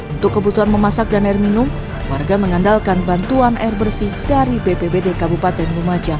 untuk kebutuhan memasak dan air minum warga mengandalkan bantuan air bersih dari bpbd kabupaten lumajang